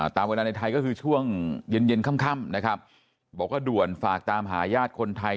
ตามเวลาในไทยก็คือช่วงเย็นเย็นค่ำนะครับบอกว่าด่วนฝากตามหาญาติคนไทย